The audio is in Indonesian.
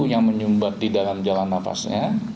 yang menyumbat di dalam jalan nafasnya